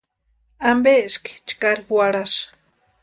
¿Ampeeski chkari warhasï?